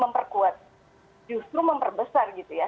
memperkuat justru memperbesar gitu ya